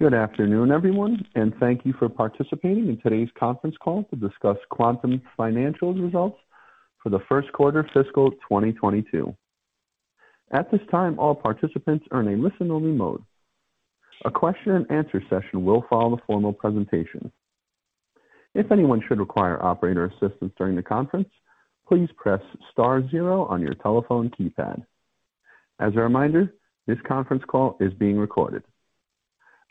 Good afternoon, everyone, thank you for participating in today's conference call to discuss Quantum's Financial Results for the First Quarter of Fiscal 2022. At this time, all participants are in a listen-only mode. A question-and-answer session will follow the formal presentation. If anyone should require operator assistance during the conference, please press star zero on your telephone keypad. As a reminder, this conference call is being recorded.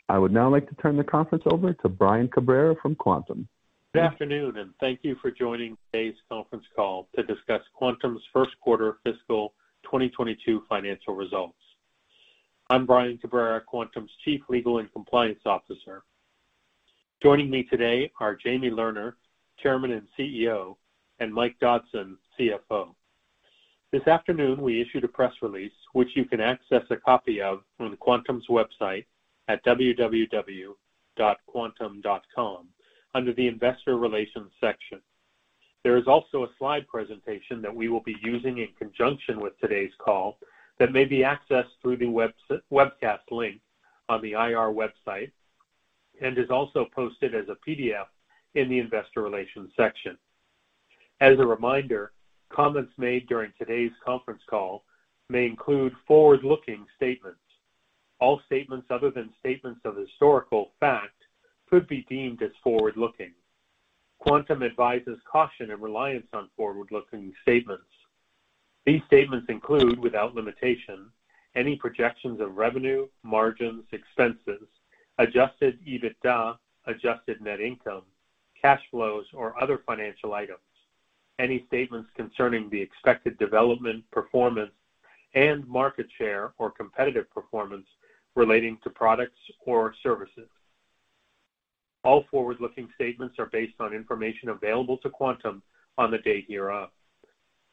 I would now like to turn the conference over to Brian Cabrera from Quantum. Good afternoon, and thank you for joining today's conference call to discuss Quantum's First Quarter Fiscal 2022 Financial Results. I'm Brian Cabrera, Quantum's Chief Legal and Compliance Officer. Joining me today are Jamie Lerner, Chairman and CEO, and Mike Dodson, CFO. This afternoon, we issued a press release, which you can access a copy of on Quantum's website at www.quantum.com under the investor relations section. There is also a slide presentation that we will be using in conjunction with today's call that may be accessed through the webcast link on the IR website, and is also posted as a PDF in the investor relations section. As a reminder, comments made during today's conference call may include forward-looking statements. All statements other than statements of historical fact could be deemed as forward-looking. Quantum advises caution and reliance on forward-looking statements. These statements include, without limitation, any projections of revenue, margins, expenses, adjusted EBITDA, adjusted net income, cash flows, or other financial items. Any statements concerning the expected development, performance, and market share or competitive performance relating to products or services. All forward-looking statements are based on information available to Quantum on the date hereof.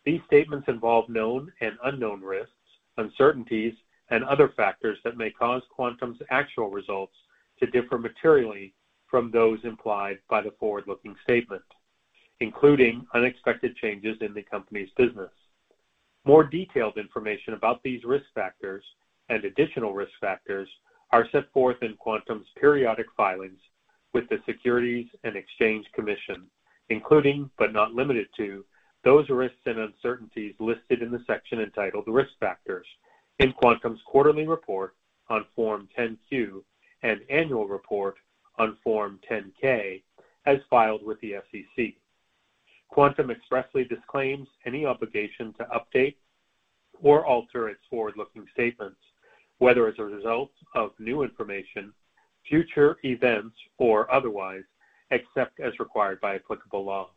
These statements involve known and unknown risks, uncertainties, and other factors that may cause Quantum's actual results to differ materially from those implied by the forward-looking statement, including unexpected changes in the company's business. More detailed information about these risk factors and additional risk factors are set forth in Quantum's periodic filings with the Securities and Exchange Commission, including, but not limited to, those risks and uncertainties listed in the section entitled "Risk Factors" in Quantum's quarterly report on Form 10-Q and annual report on Form 10-K as filed with the SEC. Quantum expressly disclaims any obligation to update or alter its forward-looking statements, whether as a result of new information, future events, or otherwise, except as required by applicable law.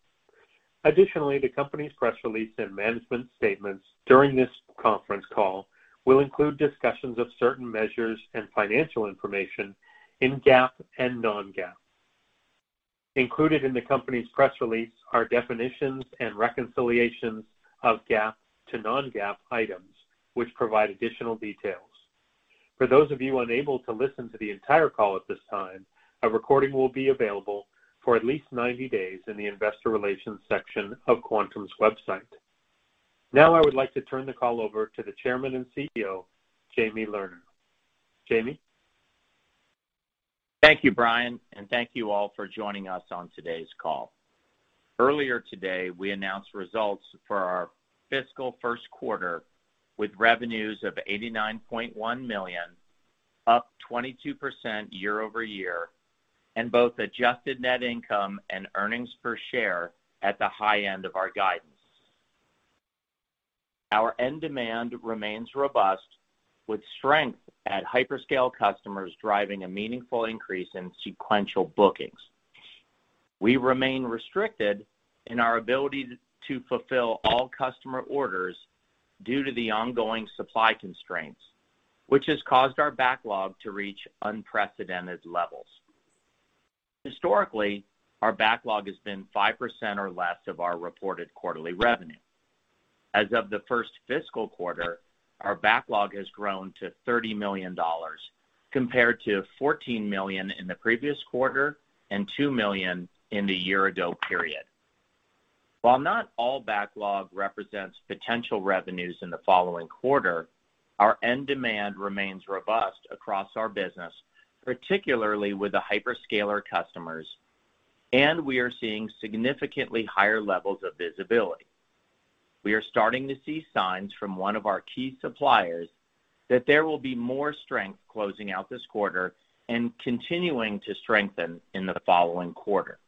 Additionally, the company's press release and management statements during this conference call will include discussions of certain measures and financial information in GAAP and non-GAAP. Included in the company's press release are definitions and reconciliations of GAAP to non-GAAP items, which provide additional details. For those of you unable to listen to the entire call at this time, a recording will be available for at least 90 days in the investor relations section of Quantum's website. Now, I would like to turn the call over to the Chairman and CEO, Jamie Lerner. Jamie? Thank you, Brian, and thank you all for joining us on today's call. Earlier today, we announced results for our fiscal first quarter with revenues of $89.1 million, up 22% year-over-year, and both adjusted net income and earnings per share at the high end of our guidance. Our end demand remains robust, with strength at hyperscale customers driving a meaningful increase in sequential bookings. We remain restricted in our ability to fulfill all customer orders due to the ongoing supply constraints, which has caused our backlog to reach unprecedented levels. Historically, our backlog has been 5% or less of our reported quarterly revenue. As of the first fiscal quarter, our backlog has grown to $30 million, compared to $14 million in the previous quarter and $2 million in the year-ago period. While not all backlog represents potential revenues in the following quarter, our end demand remains robust across our business, particularly with the hyperscaler customers, and we are seeing significantly higher levels of visibility. We are starting to see signs from one of our key suppliers that there will be more strength closing out this quarter and continuing to strengthen in the following quarter.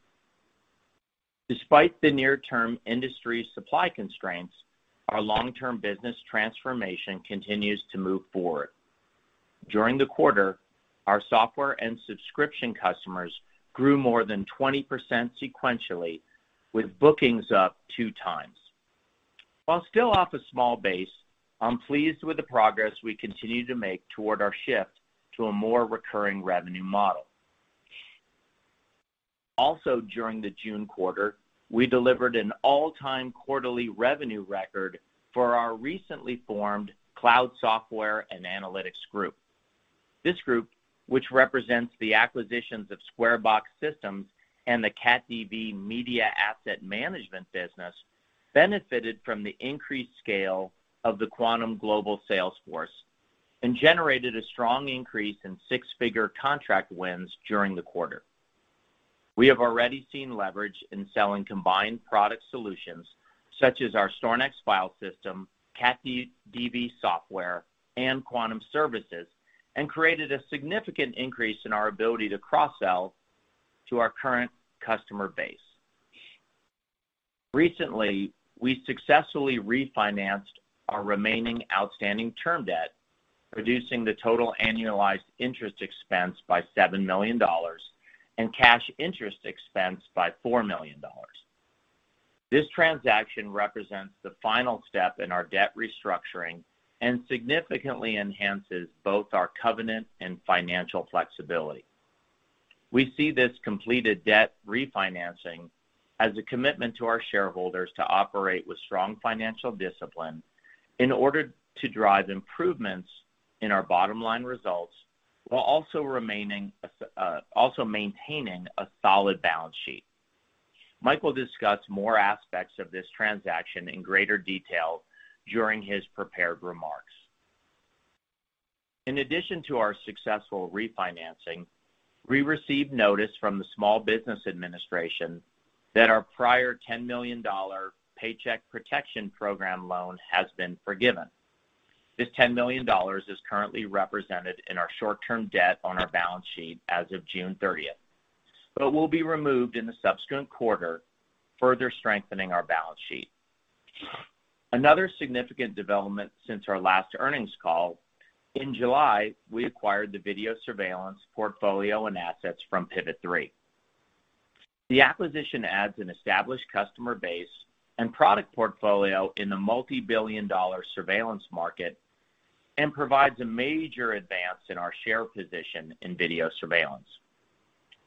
Despite the near-term industry supply constraints, our long-term business transformation continues to move forward. During the quarter, our software and subscription customers grew more than 20% sequentially, with bookings up two times. While still off a small base, I'm pleased with the progress we continue to make toward our shift to a more recurring revenue model. Also during the June quarter, we delivered an all-time quarterly revenue record for our recently formed cloud software and analytics group. This group, which represents the acquisitions of Square Box Systems and the CatDV media asset management business benefited from the increased scale of the Quantum global sales force and generated a strong increase in six-figure contract wins during the quarter. We have already seen leverage in selling combined product solutions such as our StorNext file system, CatDV software, and Quantum services, and created a significant increase in our ability to cross-sell to our current customer base. Recently, we successfully refinanced our remaining outstanding term debt, reducing the total annualized interest expense by $7 million and cash interest expense by $4 million. This transaction represents the final step in our debt restructuring and significantly enhances both our covenant and financial flexibility. We see this completed debt refinancing as a commitment to our shareholders to operate with strong financial discipline in order to drive improvements in our bottom-line results while also maintaining a solid balance sheet. Mike will discuss more aspects of this transaction in greater detail during his prepared remarks. In addition to our successful refinancing, we received notice from the Small Business Administration that our prior $10 million Paycheck Protection Program loan has been forgiven. This $10 million is currently represented in our short-term debt on our balance sheet as of June 30th, but will be removed in the subsequent quarter, further strengthening our balance sheet. Another significant development since our last earnings call, in July, we acquired the video surveillance portfolio and assets from Pivot3. The acquisition adds an established customer base and product portfolio in the multibillion-dollar surveillance market and provides a major advance in our share position in video surveillance.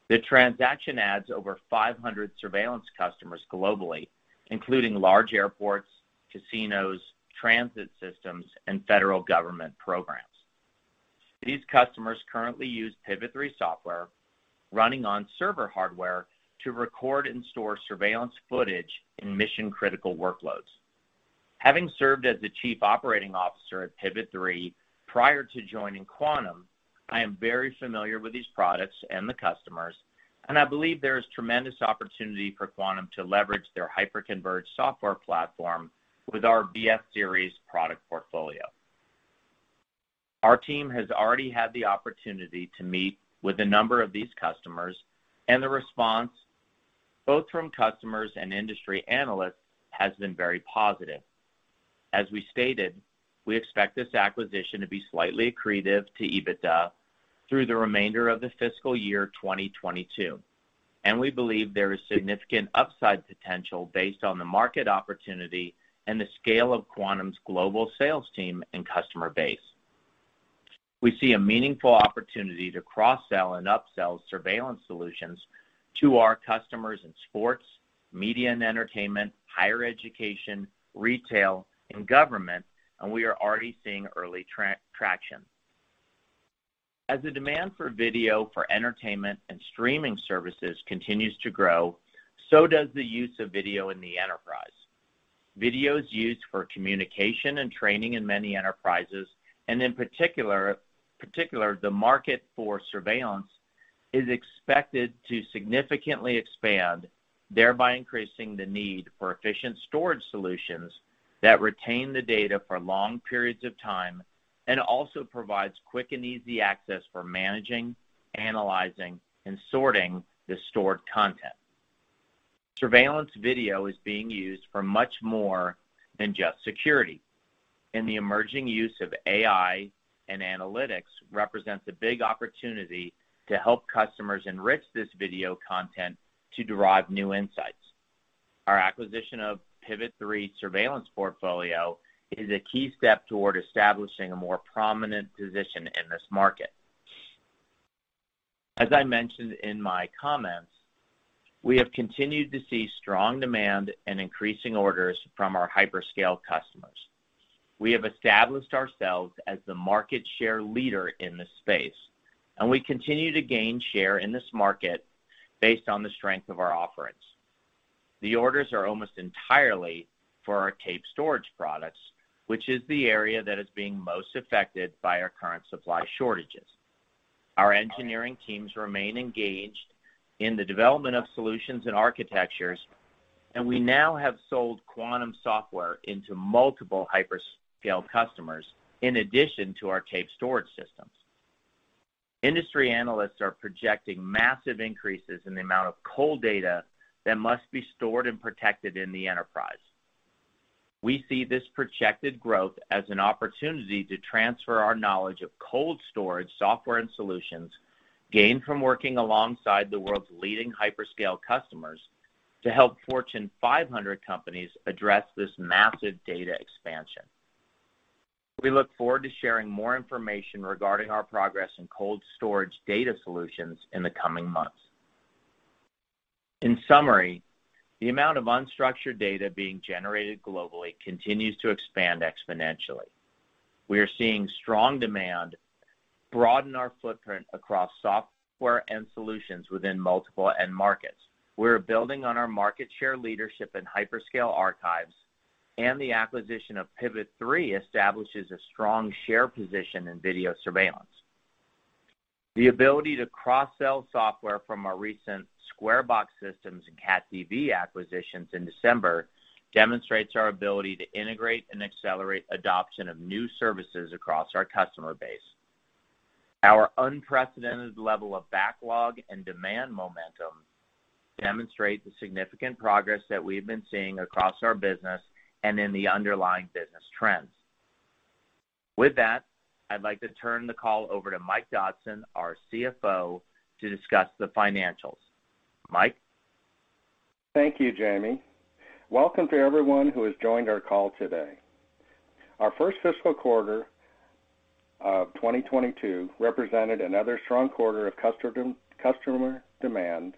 The transaction adds over 500 surveillance customers globally, including large airports, casinos, transit systems, and federal government programs. These customers currently use Pivot3 software running on server hardware to record and store surveillance footage in mission-critical workloads. Having served as the Chief Operating Officer at Pivot3 prior to joining Quantum, I am very familiar with these products and the customers, and I believe there is tremendous opportunity for Quantum to leverage their hyperconverged software platform with our VS-Series product portfolio. Our team has already had the opportunity to meet with a number of these customers, and the response, both from customers and industry analysts, has been very positive. As we stated, we expect this acquisition to be slightly accretive to EBITDA through the remainder of the fiscal year 2022, and we believe there is significant upside potential based on the market opportunity and the scale of Quantum's global sales team and customer base. We see a meaningful opportunity to cross-sell and upsell surveillance solutions to our customers in Sports, Media & Entertainment, Higher Education, Retail, and Government, and we are already seeing early traction. As the demand for video for entertainment and streaming services continues to grow, so does the use of video in the enterprise. Video is used for communication and training in many enterprises, in particular, the market for surveillance is expected to significantly expand, thereby increasing the need for efficient storage solutions that retain the data for long periods of time and also provides quick and easy access for managing, analyzing, and sorting the stored content. Surveillance video is being used for much more than just security, the emerging use of AI and analytics represents a big opportunity to help customers enrich this video content to derive new insights. Our acquisition of Pivot3's surveillance portfolio is a key step toward establishing a more prominent position in this market. As I mentioned in my comments, we have continued to see strong demand and increasing orders from our hyperscale customers. We have established ourselves as the market share leader in this space, and we continue to gain share in this market based on the strength of our offerings. The orders are almost entirely for our tape storage products, which is the area that is being most affected by our current supply shortages. Our engineering teams remain engaged in the development of solutions and architectures, and we now have sold Quantum software into multiple hyperscale customers in addition to our tape storage systems. Industry analysts are projecting massive increases in the amount of cold data that must be stored and protected in the enterprise. We see this projected growth as an opportunity to transfer our knowledge of cold storage software and solutions gained from working alongside the world's leading hyperscale customers to help Fortune 500 companies address this massive data expansion. We look forward to sharing more information regarding our progress in cold storage data solutions in the coming months. In summary, the amount of unstructured data being generated globally continues to expand exponentially. We are seeing strong demand broaden our footprint across software and solutions within multiple end markets. We are building on our market share leadership in hyperscale archives, and the acquisition of Pivot3 establishes a strong share position in video surveillance. The ability to cross-sell software from our recent Square Box Systems and CatDV acquisitions in December demonstrates our ability to integrate and accelerate adoption of new services across our customer base. Our unprecedented level of backlog and demand momentum demonstrate the significant progress that we have been seeing across our business and in the underlying business trends. With that, I'd like to turn the call over to Mike Dodson, our CFO, to discuss the financials. Mike? Thank you, Jamie. Welcome to everyone who has joined our call today. Our first fiscal quarter of 2022 represented another strong quarter of customer demand,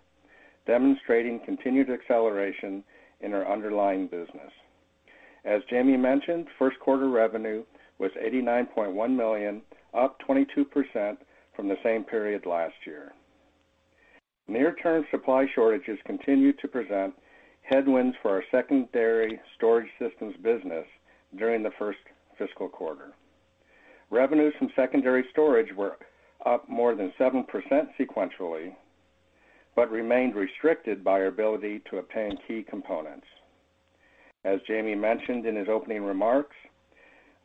demonstrating continued acceleration in our underlying business. As Jamie mentioned, first quarter revenue was $89.1 million, up 22% from the same period last year. Near-term supply shortages continued to present headwinds for our secondary storage systems business during the first fiscal quarter. Revenues from secondary storage were up more than 7% sequentially, but remained restricted by our ability to obtain key components. As Jamie mentioned in his opening remarks,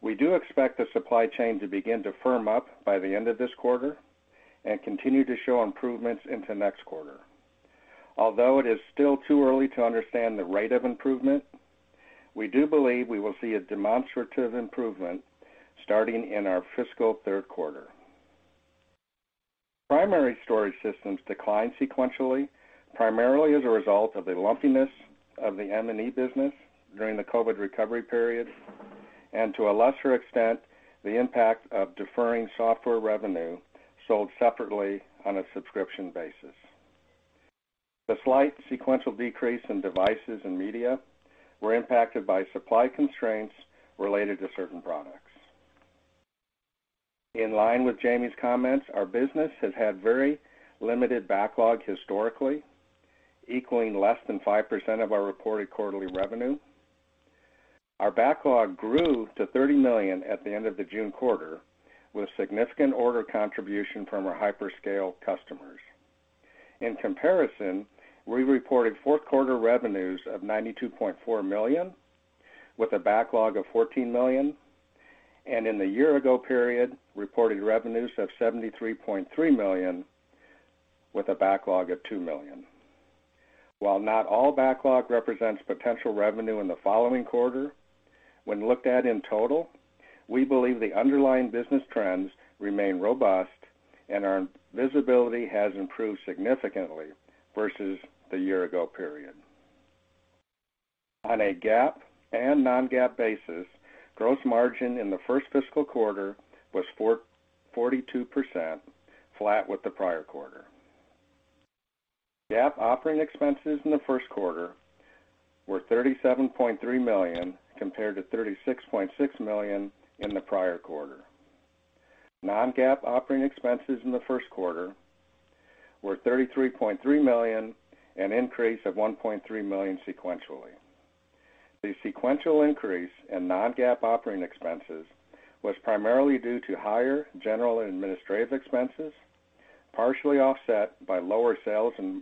we do expect the supply chain to begin to firm up by the end of this quarter and continue to show improvements into next quarter. Although it is still too early to understand the rate of improvement, we do believe we will see a demonstrative improvement starting in our fiscal third quarter. Primary storage systems declined sequentially, primarily as a result of the lumpiness of the M&E business during the COVID recovery period, and to a lesser extent, the impact of deferring software revenue sold separately on a subscription basis. The slight sequential decrease in devices and media were impacted by supply constraints related to certain products. In line with Jamie's comments, our business has had very limited backlog historically, equaling less than 5% of our reported quarterly revenue. Our backlog grew to $30 million at the end of the June quarter, with significant order contribution from our hyperscale customers. In comparison, we reported fourth quarter revenues of $92.4 million, with a backlog of $14 million, and in the year-ago period, reported revenues of $73.3 million with a backlog of $2 million. While not all backlog represents potential revenue in the following quarter, when looked at in total, we believe the underlying business trends remain robust and our visibility has improved significantly versus the year-ago period. On a GAAP and non-GAAP basis, gross margin in the first fiscal quarter was 42%, flat with the prior quarter. GAAP operating expenses in the first quarter were $37.3 million, compared to $36.6 million in the prior quarter. Non-GAAP operating expenses in the first quarter were $33.3 million, an increase of $1.3 million sequentially. The sequential increase in non-GAAP operating expenses was primarily due to higher general and administrative expenses, partially offset by lower sales and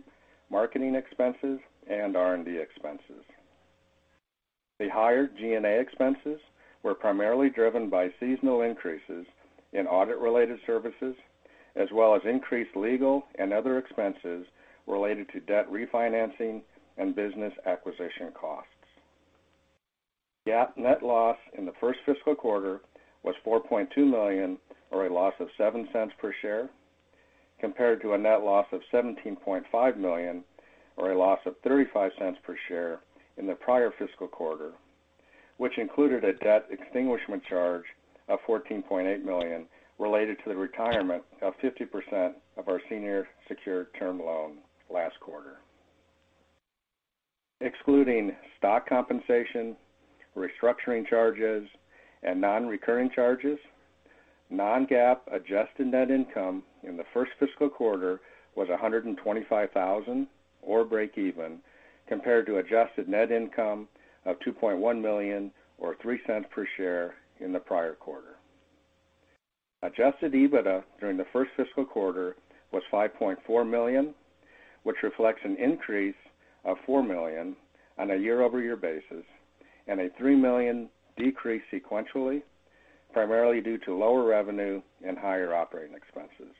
marketing expenses and R&D expenses. The higher G&A expenses were primarily driven by seasonal increases in audit-related services, as well as increased legal and other expenses related to debt refinancing and business acquisition costs. GAAP net loss in the first fiscal quarter was $4.2 million, or a loss of $0.07 per share, compared to a net loss of $17.5 million or a loss of $0.35 per share in the prior fiscal quarter, which included a debt extinguishment charge of $14.8 million related to the retirement of 50% of our senior secured term loan last quarter. Excluding stock compensation, restructuring charges, and non-recurring charges, non-GAAP adjusted net income in the first fiscal quarter was $125,000 or breakeven, compared to adjusted net income of $2.1 million or $0.03 per share in the prior quarter. Adjusted EBITDA during the first fiscal quarter was $5.4 million, which reflects an increase of $4 million on a year-over-year basis and a $3 million decrease sequentially, primarily due to lower revenue and higher operating expenses.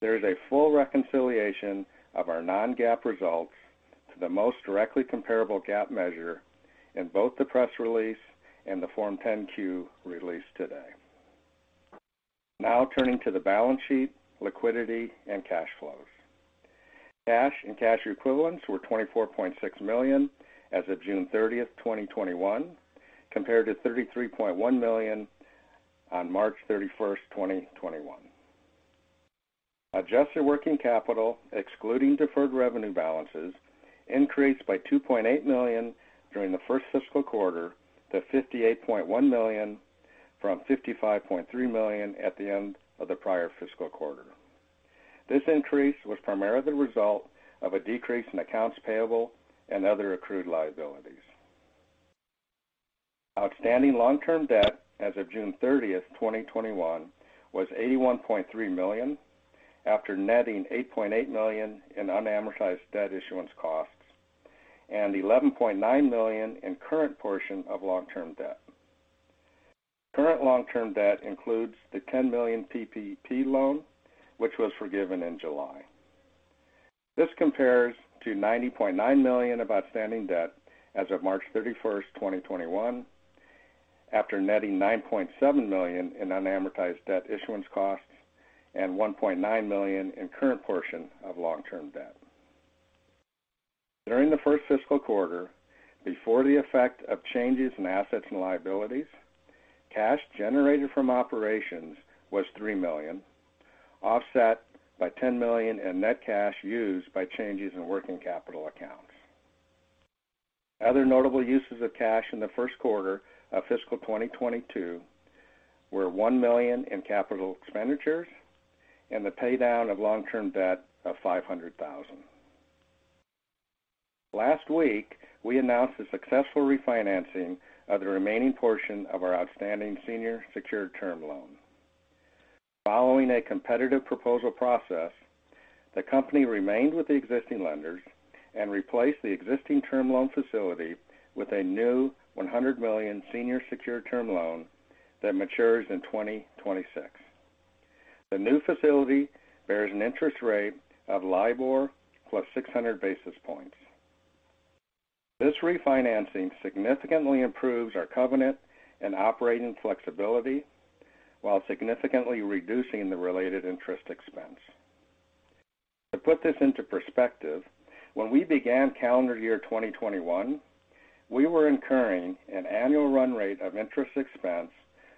There is a full reconciliation of our non-GAAP results to the most directly comparable GAAP measure in both the press release and the Form 10-Q released today. Now turning to the balance sheet, liquidity, and cash flows. Cash and cash equivalents were $24.6 million as of June 30th, 2021 compared to $33.1 million on March 31st, 2021. Adjusted working capital, excluding deferred revenue balances, increased by $2.8 million during the first fiscal quarter to $58.1 million from $55.3 million at the end of the prior fiscal quarter. This increase was primarily the result of a decrease in accounts payable and other accrued liabilities. Outstanding long-term debt as of June 30th, 2021 was $81.3 million after netting $8.8 million in unamortized debt issuance costs and $11.9 million in current portion of long-term debt. Current long-term debt includes the $10 million PPP loan, which was forgiven in July. This compares to $90.9 million of outstanding debt as of March 31st, 2021, after netting $9.7 million in unamortized debt issuance costs and $1.9 million in current portion of long-term debt. During the first fiscal quarter, before the effect of changes in assets and liabilities, cash generated from operations was $3 million, offset by $10 million in net cash used by changes in working capital accounts. Other notable uses of cash in the first quarter of fiscal 2022 were $1 million in capital expenditures and the pay-down of long-term debt of $500,000. Last week, we announced the successful refinancing of the remaining portion of our outstanding senior secured term loan. Following a competitive proposal process, the company remained with the existing lenders and replaced the existing term loan facility with a new $100 million senior secured term loan that matures in 2026. The new facility bears an interest rate of LIBOR plus 600 basis points. This refinancing significantly improves our covenant and operating flexibility while significantly reducing the related interest expense. To put this into perspective, when we began calendar year 2021, we were incurring an annual run rate of interest expense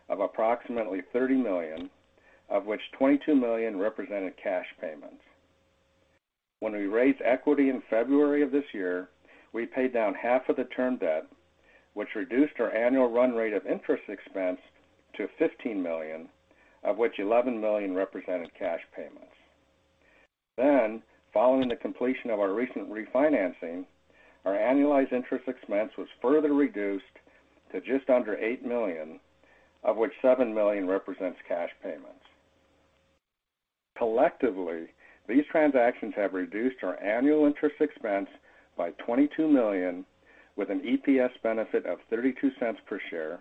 of approximately $30 million, of which $22 million represented cash payments. When we raised equity in February of this year, we paid down half of the term debt, which reduced our annual run rate of interest expense to $15 million, of which $11 million represented cash payments. Following the completion of our recent refinancing, our annualized interest expense was further reduced to just under $8 million, of which $7 million represents cash payments. Collectively, these transactions have reduced our annual interest expense by $22 million, with an EPS benefit of $0.32 per share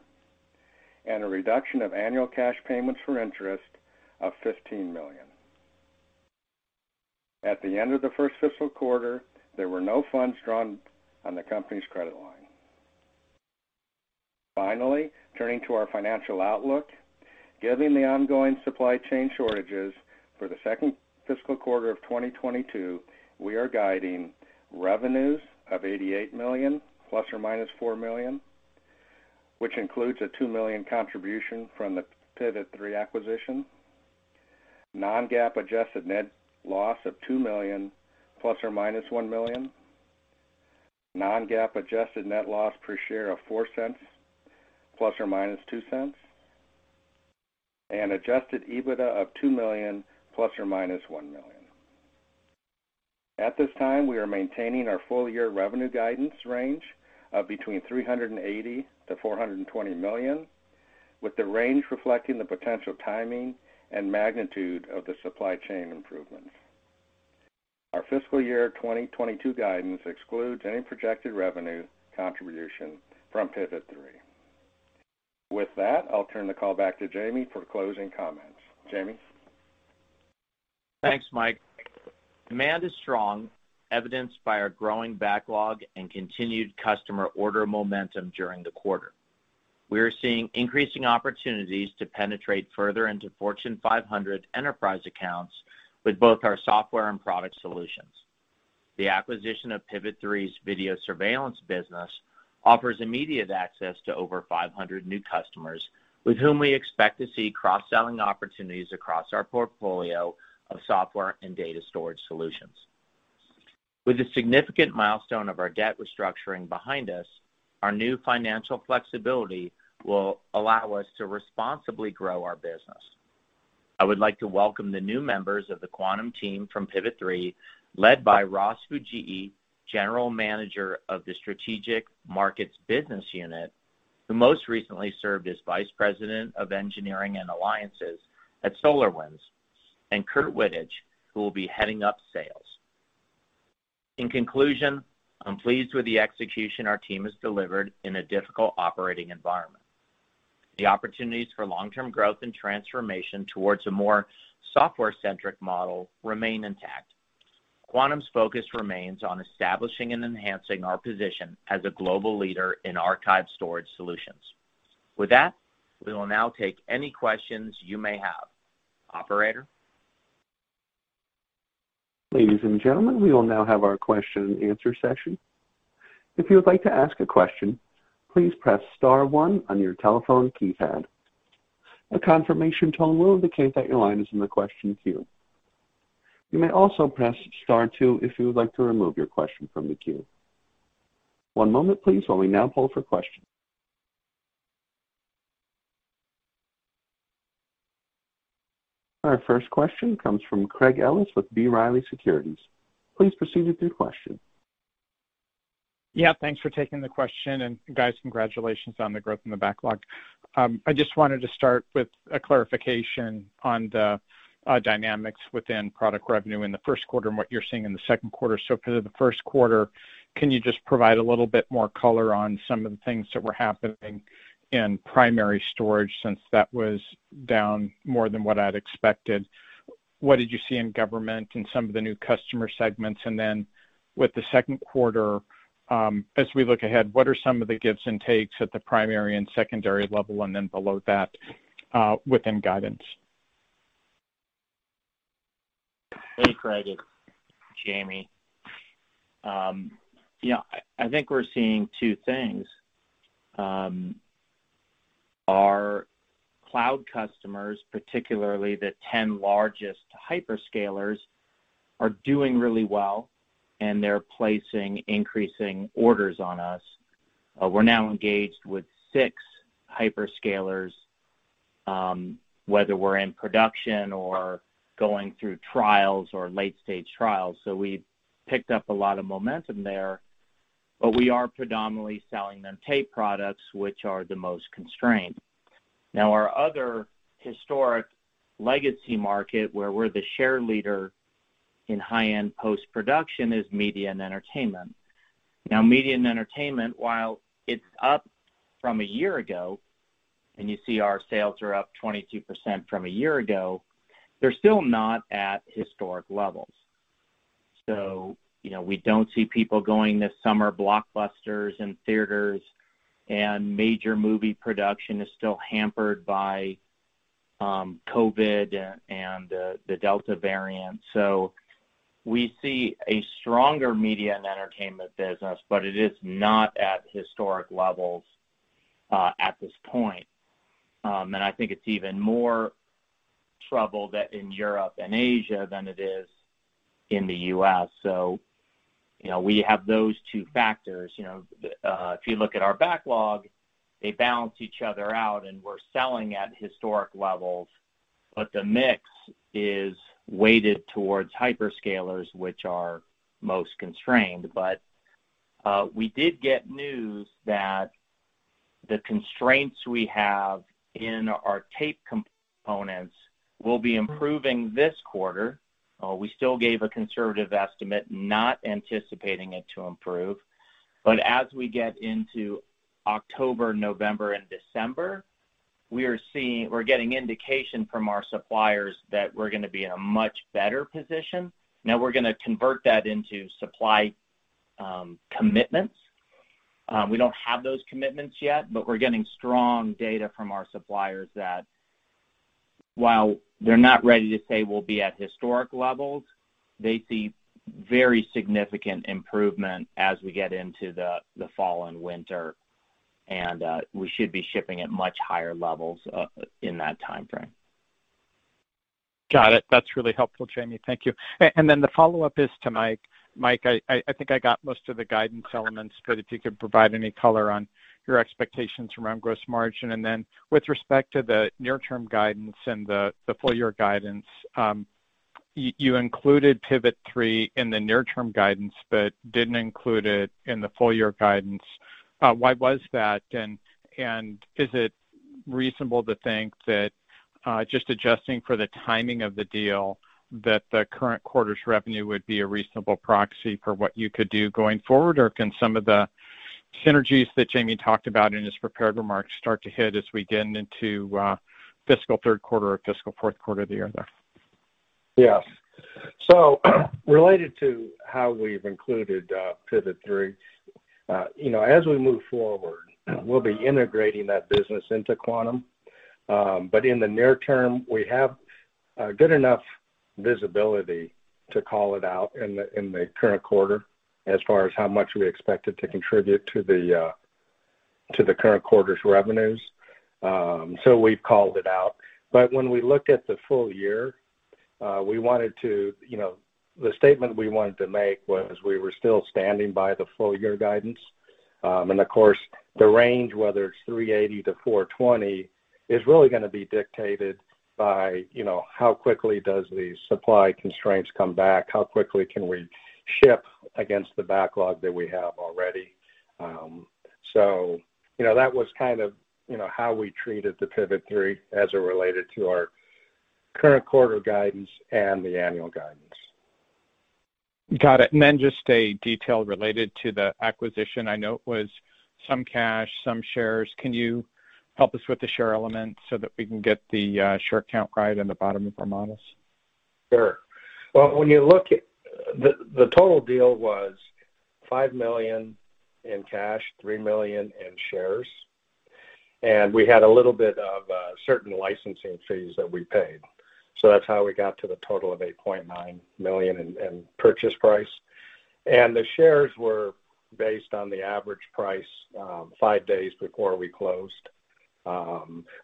and a reduction of annual cash payments for interest of $15 million. At the end of the first fiscal quarter, there were no funds drawn on the company's credit line. Finally, turning to our financial outlook, given the ongoing supply chain shortages for the second fiscal quarter of 2022, we are guiding revenues of $88 million ± $4 million, which includes a $2 million contribution from the Pivot3 acquisition, non-GAAP adjusted net loss of $2 million ± $1 million, non-GAAP adjusted net loss per share of $0.04 ± $0.02, and adjusted EBITDA of $2 million ± $1 million. At this time, we are maintaining our full-year revenue guidance range of between $380 million-$420 million, with the range reflecting the potential timing and magnitude of the supply chain improvements. Our fiscal year 2022 guidance excludes any projected revenue contribution from Pivot3. With that, I'll turn the call back to Jamie for closing comments. Jamie? Thanks, Mike. Demand is strong, evidenced by our growing backlog and continued customer order momentum during the quarter. We are seeing increasing opportunities to penetrate further into Fortune 500 enterprise accounts with both our software and product solutions. The acquisition of Pivot3's video surveillance business offers immediate access to over 500 new customers with whom we expect to see cross-selling opportunities across our portfolio of software and data storage solutions. With the significant milestone of our debt restructuring behind us, our new financial flexibility will allow us to responsibly grow our business. I would like to welcome the new members of the Quantum team from Pivot3, led by Ross Fujii, General Manager of the Strategic Markets Business Unit, who most recently served as Vice President of Engineering and Alliances at SolarWinds, and Curt Wittich, who will be heading up sales. In conclusion, I'm pleased with the execution our team has delivered in a difficult operating environment. The opportunities for long-term growth and transformation towards a more software-centric model remain intact. Quantum's focus remains on establishing and enhancing our position as a global leader in archive storage solutions. With that, we will now take any questions you may have. Operator? Ladies and gentlemen, we will now have our question-and-answer session. If you'd like to ask a question, please press star one on your telephone keypad. A confirmation tone will indicate that your line is in the question queue. You may also press star two if you would like to remove your question from the queue. One moment, please, while we now call for questions. Our first question comes from Craig Ellis with B. Riley Securities. Please proceed with your question. Yeah. Thanks for taking the question. Guys, congratulations on the growth in the backlog. I just wanted to start with a clarification on the dynamics within product revenue in the first quarter and what you're seeing in the second quarter. For the first quarter, can you just provide a little bit more color on some of the things that were happening in primary storage, since that was down more than what I'd expected? What did you see in government and some of the new customer segments? With the second quarter, as we look ahead, what are some of the gives and takes at the primary and secondary level, and then below that within guidance? Hey, Craig, it's Jamie. I think we're seeing two things. Our cloud customers, particularly the 10 largest hyperscalers, are doing really well and they're placing increasing orders on us. We're now engaged with six hyperscalers, whether we're in production or going through trials or late-stage trials. We've picked up a lot of momentum there. We are predominantly selling them tape products, which are the most constrained. Now, our other historic legacy market, where we're the share leader in high-end post-production, is Media & Entertainment. Now, Media & Entertainment, while it's up from a year ago, and you see our sales are up 22% from a year ago, they're still not at historic levels. We don't see people going to summer blockbusters in theaters, and major movie production is still hampered by COVID and the Delta variant. We see a stronger Media & Entertainment business, but it is not at historic levels at this point. I think it's even more troubled in Europe and Asia than it is in the U.S. We have those two factors. If you look at our backlog, they balance each other out, and we're selling at historic levels, but the mix is weighted towards hyperscalers, which are most constrained. We did get news that the constraints we have in our tape components will be improving this quarter. We still gave a conservative estimate, not anticipating it to improve. As we get into October, November, and December, we're getting indication from our suppliers that we're going to be in a much better position. We're going to convert that into supply commitments. We don't have those commitments yet, but we're getting strong data from our suppliers that while they're not ready to say we'll be at historic levels, they see very significant improvement as we get into the fall and winter. We should be shipping at much higher levels in that timeframe. Got it. That's really helpful, Jamie. Thank you. The follow-up is to Mike. Mike, I think I got most of the guidance elements, but if you could provide any color on your expectations around gross margin. With respect to the near-term guidance and the full-year guidance, you included Pivot3 in the near-term guidance but didn't include it in the full-year guidance. Why was that? Is it reasonable to think that just adjusting for the timing of the deal, that the current quarter's revenue would be a reasonable proxy for what you could do going forward? Can some of the synergies that Jamie talked about in his prepared remarks start to hit as we get into fiscal third quarter or fiscal fourth quarter of the year there? Yes. Related to how we've included Pivot3, as we move forward, we'll be integrating that business into Quantum. In the near term, we have good enough visibility to call it out in the current quarter as far as how much we expect it to contribute to the current quarter's revenues. We've called it out. When we look at the full year, the statement we wanted to make was we were still standing by the full-year guidance. Of course, the range, whether it's $380-$420, is really going to be dictated by how quickly does the supply constraints come back, how quickly can we ship against the backlog that we have already. That was kind of how we treated the Pivot3 as it related to our current quarter guidance and the annual guidance. Got it. Just a detail related to the acquisition. I know it was some cash, some shares. Can you help us with the share element so that we can get the share count right in the bottom of our models? Sure. Well, the total deal was $5 million in cash, $3 million in shares. We had a little bit of certain licensing fees that we paid. That's how we got to the total of $8.9 million in purchase price. The shares were based on the average price five days before we closed.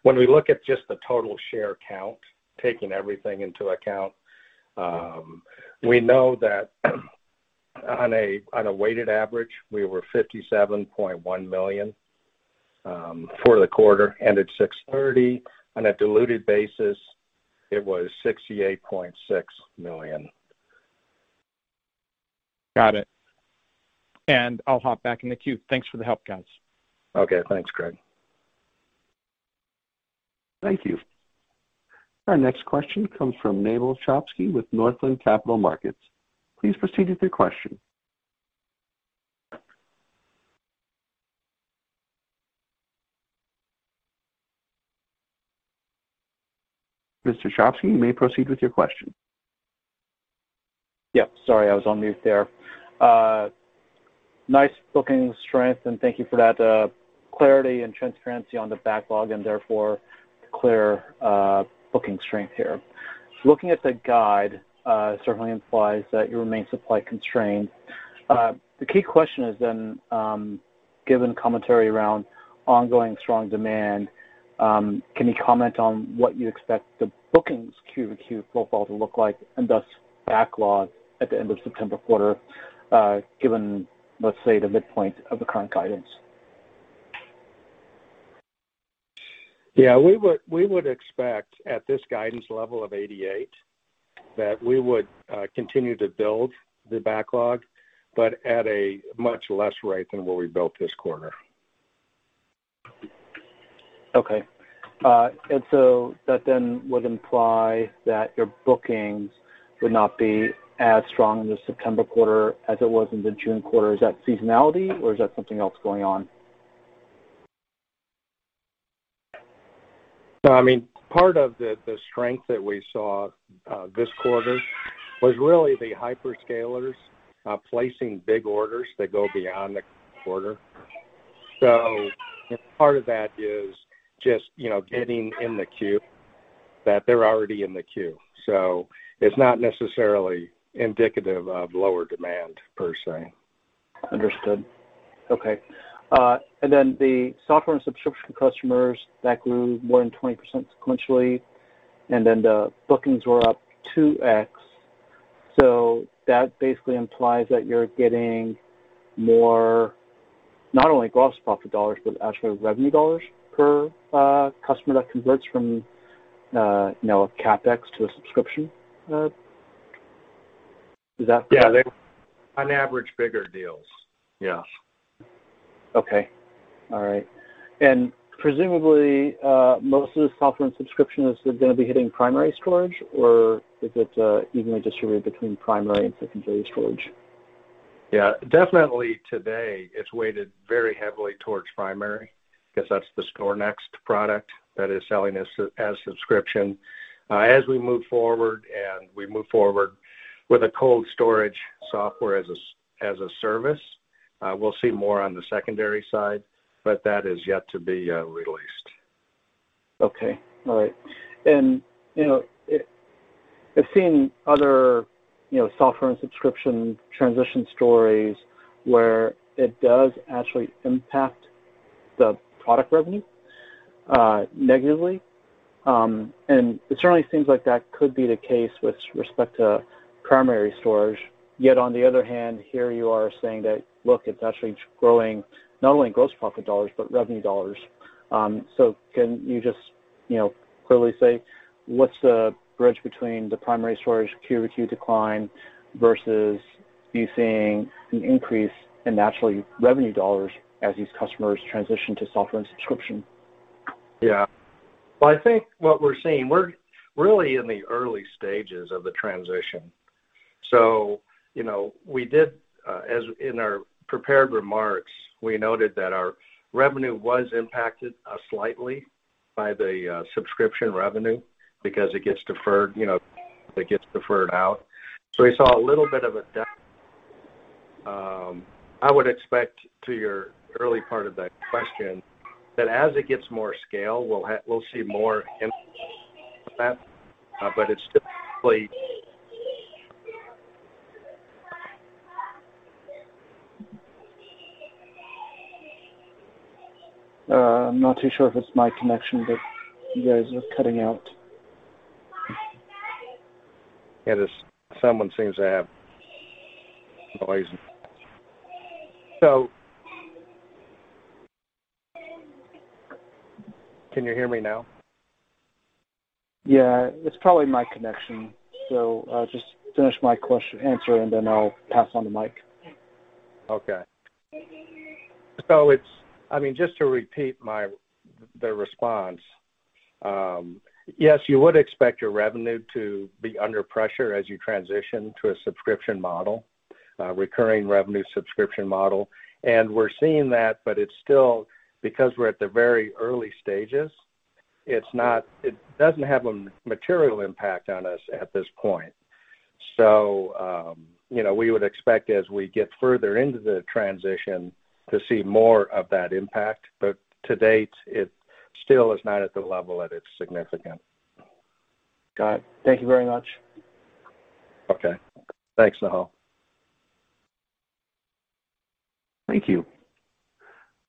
When we look at just the total share count, taking everything into account, we know that on a weighted average, we were 57.1 million for the quarter, ended June 30. On a diluted basis, it was 68.6 million. Got it. I'll hop back in the queue. Thanks for the help, guys. Okay. Thanks, Craig. Thank you. Our next question comes from Nehal Chokshi with Northland Capital Markets. Please proceed with your question. Mr. Chokshi, you may proceed with your question. Yep, sorry, I was on mute there. Nice booking strength. Thank you for that clarity and transparency on the backlog and therefore the clear booking strength here. Looking at the guide certainly implies that you remain supply-constrained. The key question is then, given commentary around ongoing strong demand, can you comment on what you expect the bookings Q2 profile to look like, and thus backlog at the end of September quarter, given, let's say, the midpoint of the current guidance? Yeah, we would expect at this guidance level of 88 that we would continue to build the backlog, but at a much less rate than what we built this quarter. Okay. That then would imply that your bookings would not be as strong in the September quarter as it was in the June quarter. Is that seasonality, or is that something else going on? Part of the strength that we saw this quarter was really the hyperscalers placing big orders that go beyond the quarter. Part of that is just getting in the queue, that they're already in the queue. It's not necessarily indicative of lower demand per se. Understood. Okay. The software and subscription customers, that grew more than 20% sequentially, and then the bookings were up 2x. That basically implies that you're getting more not only gross profit dollars, but actually revenue dollars per customer that converts from CapEx to a subscription. Is that correct? Yeah, they on average bigger deals. Yeah. Okay. All right. Presumably, most of the software and subscription is going to be hitting primary storage or is it evenly distributed between primary and secondary storage? Definitely today it's weighted very heavily towards primary because that's the StorNext product that is selling as subscription. As we move forward, and we move forward with a cold storage software as a service, we'll see more on the secondary side, but that is yet to be released. Okay. All right. I've seen other software and subscription transition stories where it does actually impact the product revenue negatively. It certainly seems like that could be the case with respect to primary storage. Yet on the other hand, here you are saying that, look, it's actually growing not only gross profit dollars, but revenue dollars. Can you just clearly say what's the bridge between the primary storage Q2 decline versus you seeing an increase in actually revenue dollars as these customers transition to software and subscription? Yeah. Well, I think what we're seeing, we're really in the early stages of the transition. In our prepared remarks, we noted that our revenue was impacted slightly by the subscription revenue because it gets deferred out. We saw a little bit of a dip. I would expect to your early part of that question, that as it gets more scale, we'll see more in that. I'm not too sure if it's my connection, but you guys are cutting out. Yeah, someone seems to have noise. Can you hear me now? Yeah, it's probably my connection. Just finish my question-and-answer, and then I'll pass on the mic. Okay. Just to repeat the response, yes, you would expect your revenue to be under pressure as you transition to a subscription model, recurring revenue subscription model. We're seeing that, but it's still because we're at the very early stages, it doesn't have a material impact on us at this point. We would expect as we get further into the transition to see more of that impact. To date, it still is not at the level that it's significant. Got it. Thank you very much. Okay. Thanks, Nehal. Thank you.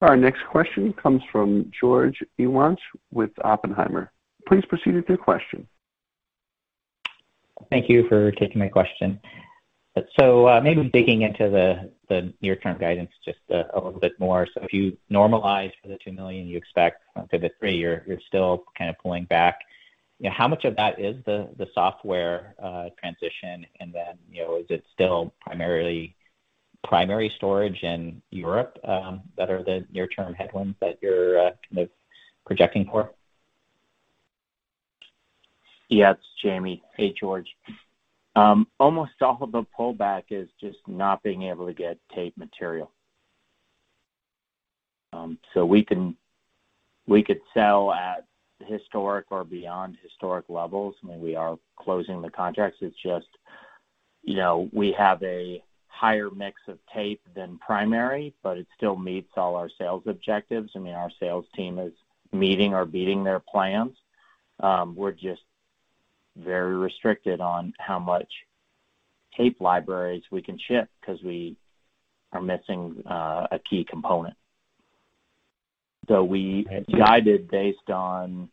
Our next question comes from George Iwanyc with Oppenheimer. Please proceed with your question. Thank you for taking my question. Maybe digging into the near-term guidance just a little bit more. If you normalize for the $2 million you expect from Pivot3, you're still kind of pulling back. How much of that is the software transition, and then, is it still primarily primary storage in Europe that are the near-term headwinds that you're kind of projecting for? It's Jamie. Hey, George. Almost all of the pullback is just not being able to get tape material. We could sell at historic or beyond historic levels, and we are closing the contracts. It's just we have a higher mix of tape than primary, but it still meets all our sales objectives. I mean, our sales team is meeting or beating their plans. We're just very restricted on how much tape libraries we can ship because we are missing a key component. We guided based on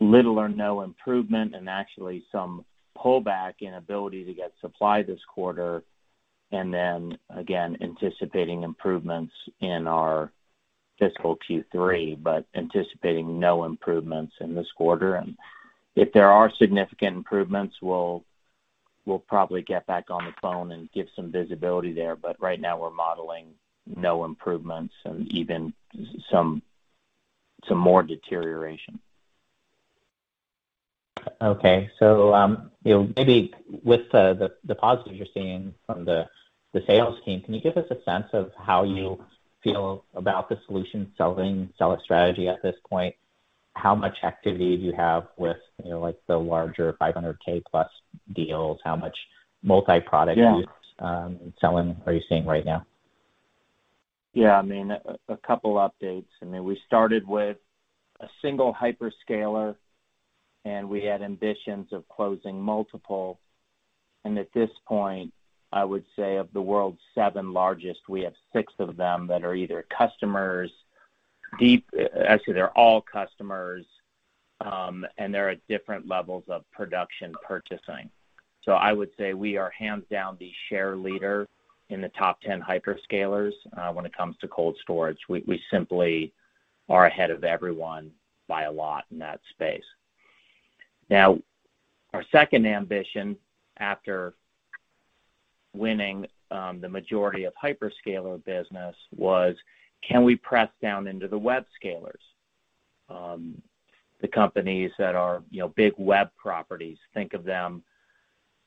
little or no improvement and actually some pullback in ability to get supply this quarter. Then again, anticipating improvements in our fiscal Q3, but anticipating no improvements in this quarter. If there are significant improvements, we'll probably get back on the phone and give some visibility there. Right now, we're modeling no improvements and even some more deterioration. Okay. Maybe with the positives you're seeing from the sales team, can you give us a sense of how you feel about the solution selling strategy at this point? How much activity do you have with the larger $500K plus deals? How much multi-product- Yeah. selling are you seeing right now? Yeah, I mean, a couple updates. We started with a single hyperscaler, and we had ambitions of closing multiple. At this point, I would say of the world's seven largest, we have six of them that are either customers. Actually, they're all customers, and they're at different levels of production purchasing. I would say we are hands down the share leader in the top 10 hyperscalers when it comes to cold storage. We simply are ahead of everyone by a lot in that space. Our second ambition after winning the majority of hyperscaler business was, can we press down into the web scalers? The companies that are big web properties. Think of them,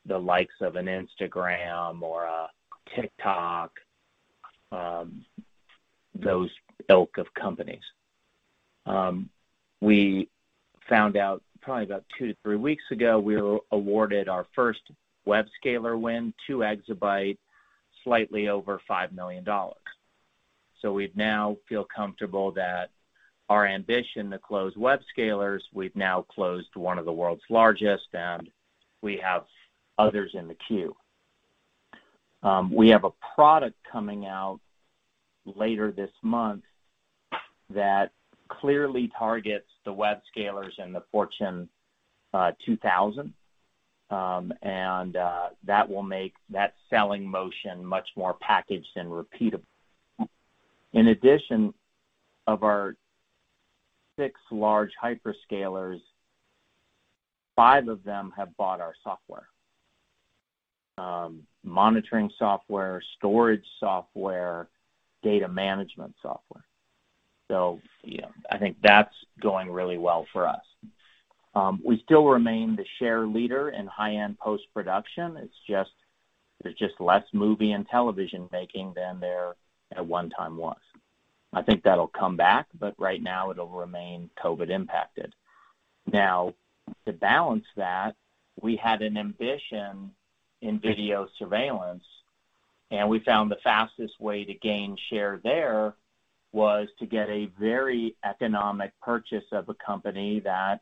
the likes of an Instagram or a TikTok, those ilk of companies. We found out probably about two to three weeks ago, we were awarded our first web scaler win, 2 EB, slightly over $5 million. We now feel comfortable that our ambition to close web scalers, we've now closed one of the world's largest, and we have others in the queue. We have a product coming out later this month that clearly targets the web scalers and the Fortune 2000. That will make that selling motion much more packaged and repeatable. In addition of our six large hyperscalers, five of them have bought our software. Monitoring software, storage software, data management software. I think that's going really well for us. We still remain the share leader in high-end post-production. It's just there's just less movie and television making than there at one time was. I think that'll come back. Right now it'll remain COVID impacted. To balance that, we had an ambition in video surveillance, and we found the fastest way to gain share there was to get a very economic purchase of a company that,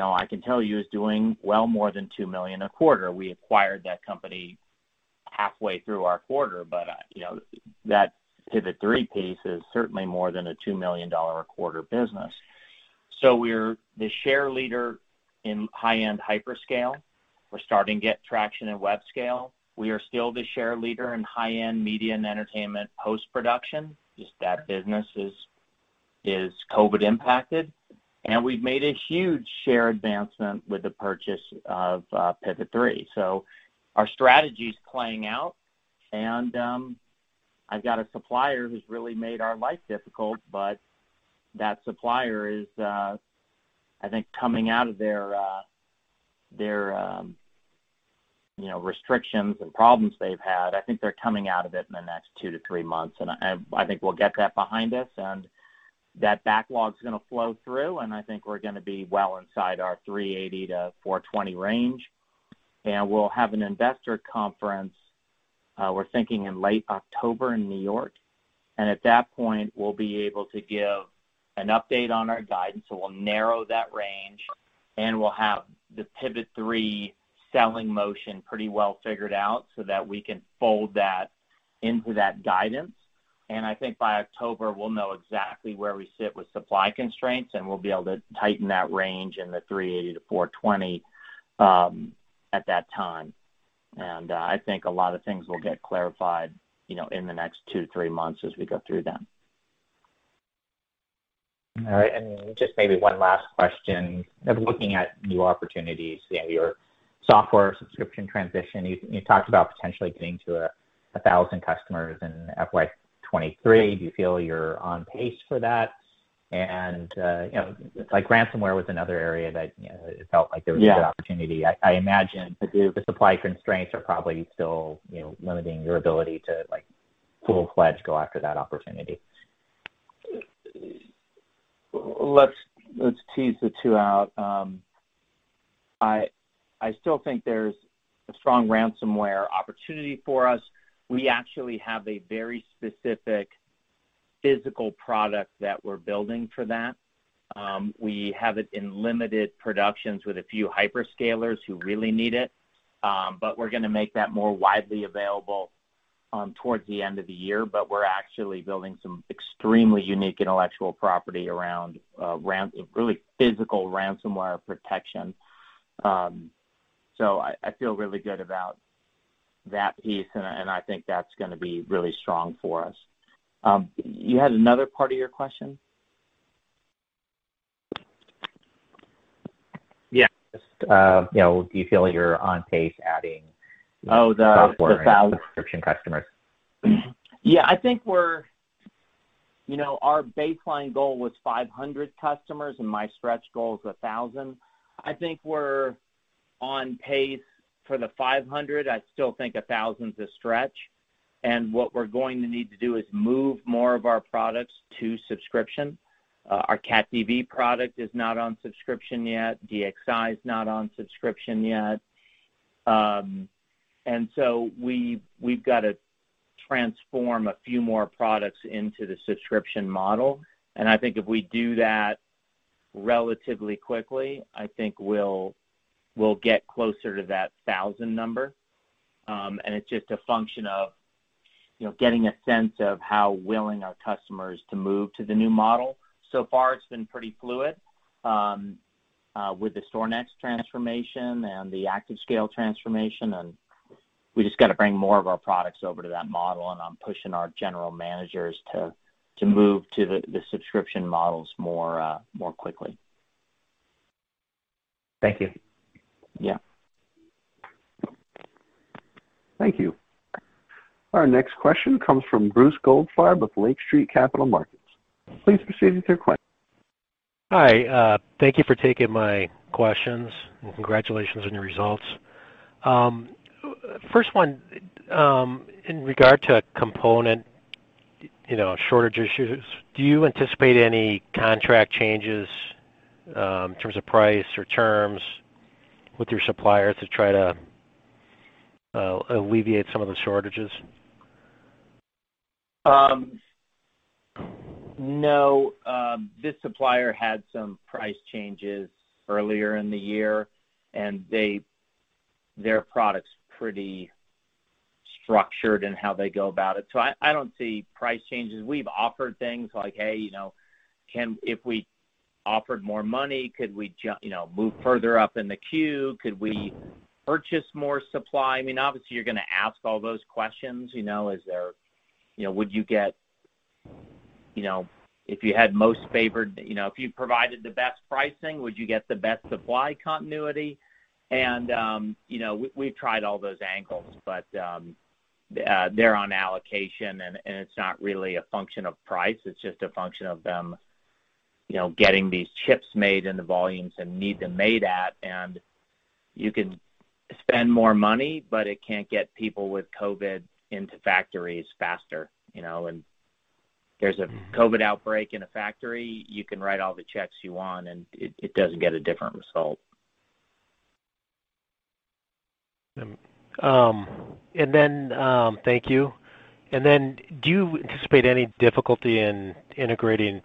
I can tell you, is doing well more than $2 million a quarter. We acquired that company halfway through our quarter, but that Pivot3 piece is certainly more than a $2 million a quarter business. We're the share leader in high-end hyperscale. We're starting to get traction in web scale. We are still the share leader in high-end Media & Entertainment post-production. Just that business is COVID impacted. We've made a huge share advancement with the purchase of Pivot3. Our strategy's playing out and I've got a supplier who's really made our life difficult, but that supplier is, I think, coming out of their restrictions and problems they've had, I think they're coming out of it in the next two to three months. I think we'll get that behind us, and that backlog's going to flow through, and I think we're going to be well inside our $380-$420 range. We'll have an investor conference, we're thinking in late October in New York, and at that point, we'll be able to give an update on our guidance. We'll narrow that range, and we'll have the Pivot3 selling motion pretty well figured out so that we can fold that into that guidance. I think by October, we'll know exactly where we sit with supply constraints, and we'll be able to tighten that range in the $380-$420 at that time. I think a lot of things will get clarified in the next two to three months as we go through them. All right. Just maybe one last question. Looking at new opportunities, your software subscription transition, you talked about potentially getting to 1,000 customers in FY 2023. Do you feel you're on pace for that? Ransomware was another area. Yeah. Good opportunity. I imagine the supply constraints are probably still limiting your ability to full-fledged go after that opportunity. Let's tease the two out. I still think there's a strong ransomware opportunity for us. We actually have a very specific physical product that we're building for that. We have it in limited productions with a few hyperscalers who really need it. We're going to make that more widely available towards the end of the year, but we're actually building some extremely unique intellectual property around really physical ransomware protection. I feel really good about that piece, and I think that's going to be really strong for us. You had another part of your question? Yeah. Just do you feel you're on pace? Oh, the 1,000. Software and subscription customers? Yeah, our baseline goal was 500 customers, and my stretch goal is 1,000. I think we're on pace for the 500. I still think 1,000 is a stretch, and what we're going to need to do is move more of our products to subscription. Our CatDV product is not on subscription yet. DXi is not on subscription yet. We've got to transform a few more products into the subscription model, and I think if we do that relatively quickly, I think we'll get closer to that 1,000 number. It's just a function of getting a sense of how willing our customer is to move to the new model. Far, it's been pretty fluid with the StorNext transformation and the ActiveScale transformation. We just got to bring more of our products over to that model. I'm pushing our general managers to move to the subscription models more quickly. Thank you. Yeah. Thank you. Our next question comes from Bruce Goldfarb with Lake Street Capital Markets. Please proceed with your question. Hi. Thank you for taking my questions, congratulations on your results. First one, in regard to component shortage issues, do you anticipate any contract changes in terms of price or terms with your supplier to try to alleviate some of the shortages? No. This supplier had some price changes earlier in the year, and their product's pretty structured in how they go about it. I don't see price changes. We've offered things like, "Hey, if we offered more money, could we move further up in the queue? Could we purchase more supply?" Obviously, you're going to ask all those questions. If you provided the best pricing, would you get the best supply continuity? We've tried all those angles, but they're on allocation, and it's not really a function of price, it's just a function of them getting these chips made in the volumes they need them made at. You can spend more money, but it can't get people with COVID into factories faster. There's a COVID outbreak in a factory, you can write all the checks you want and it doesn't get a different result. Thank you. Do you anticipate any difficulty in integrating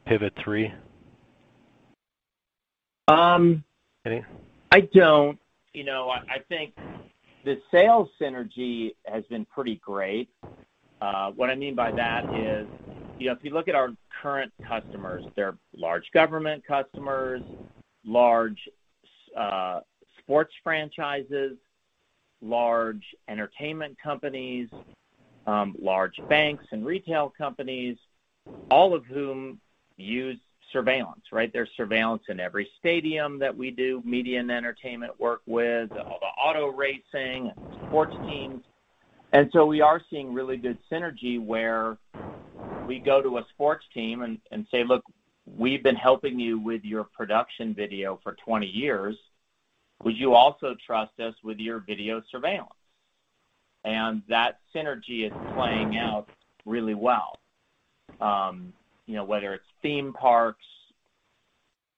Pivot3? I don't. I think the sales synergy has been pretty great. What I mean by that is, if you look at our current customers, they're large government customers, large sports franchises, large entertainment companies, large banks and retail companies, all of whom use surveillance, right? There's surveillance in every stadium that we do Media & Entertainment work with, all the auto racing and sports teams. We are seeing really good synergy where we go to a sports team and say, "Look, we've been helping you with your production video for 20 years. Would you also trust us with your video surveillance?" That synergy is playing out really well. Whether it's theme parks,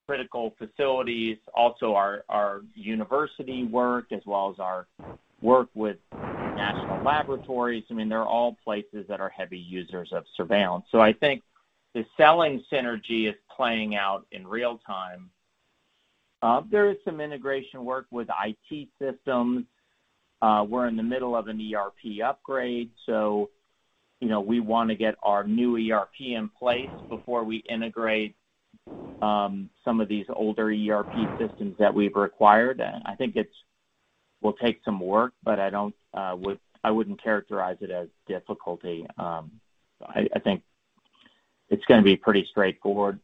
critical facilities, also our university work as well as our work with national laboratories. They're all places that are heavy users of surveillance. I think the selling synergy is playing out in real time. There is some integration work with IT systems. We're in the middle of an ERP upgrade, so we want to get our new ERP in place before we integrate some of these older ERP systems that we've acquired. I think it will take some work, but I wouldn't characterize it as difficulty. I think it's going to be pretty straightforward.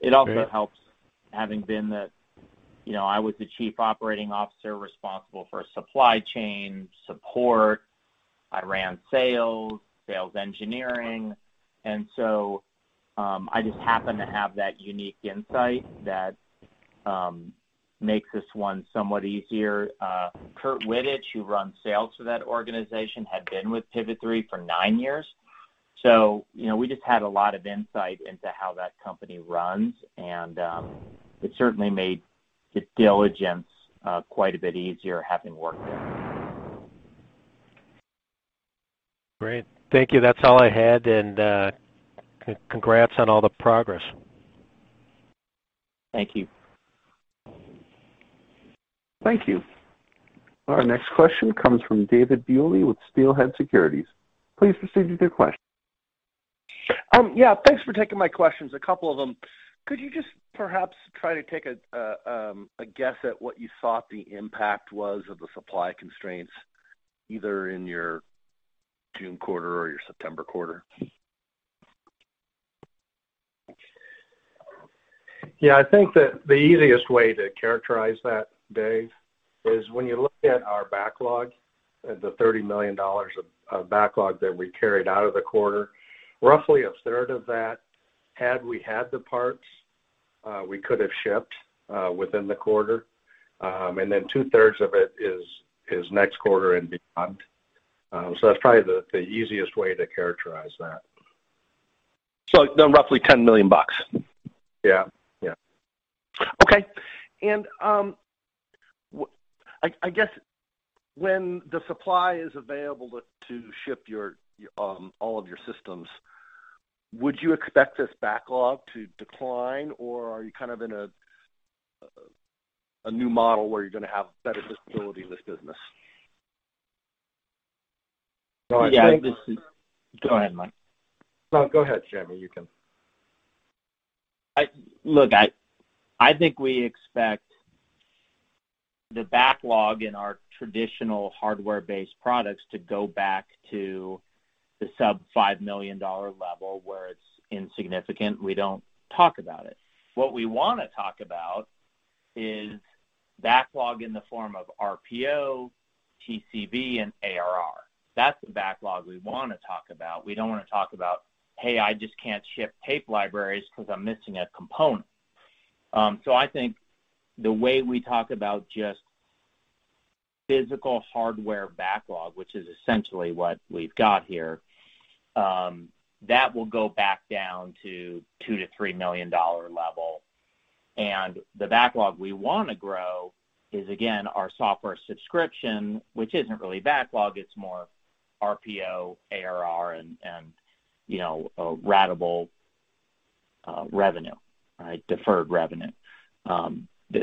It also helps having been that I was the Chief Operating Officer responsible for supply chain support. I ran sales engineering, and so, I just happen to have that unique insight that makes this one somewhat easier. Curt Wittich, who runs sales for that organization, had been with Pivot3 for nine years, so we just had a lot of insight into how that company runs. It certainly made due diligence quite a bit easier having worked there. Great. Thank you. That's all I had, and congrats on all the progress. Thank you. Thank you. Our next question comes from David Duley with Steelhead Securities. Please proceed with your question. Yeah. Thanks for taking my questions, a couple of them. Could you just perhaps try to take a guess at what you thought the impact was of the supply constraints, either in your June quarter or your September quarter? Yeah. I think that the easiest way to characterize that, Dave, is when you look at our backlog, the $30 million of backlog that we carried out of the quarter, roughly a third of that, had we had the parts, we could have shipped within the quarter. Two-thirds of it is next quarter and beyond. That's probably the easiest way to characterize that. Roughly $10 million. Yeah. Okay. I guess when the supply is available to ship all of your systems, would you expect this backlog to decline, or are you in a new model where you're going to have better visibility in this business? Yeah, go ahead, Mike. No, go ahead, Jamie. You can. Look, I think we expect the backlog in our traditional hardware-based products to go back to the sub $5 million level where it's insignificant, we don't talk about it. What we want to talk about is backlog in the form of RPO, TCV, and ARR. That's the backlog we want to talk about. We don't want to talk about, "Hey, I just can't ship tape libraries because I'm missing a component." I think the way we talk about just physical hardware backlog, which is essentially what we've got here, that will go back down to $2 million-$3 million level. The backlog we want to grow is, again, our software subscription, which isn't really backlog, it's more RPO, ARR, and ratable revenue, deferred revenue.